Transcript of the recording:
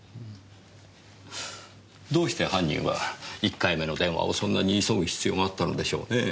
どうして犯人は１回目の電話をそんなに急ぐ必要があったのでしょうねえ。